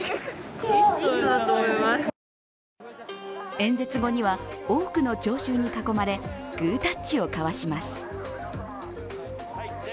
演説後には、多くの聴衆に囲まれグータッチを交わします。